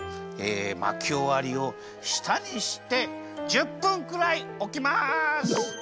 まきおわりをしたにして１０ぷんくらいおきます！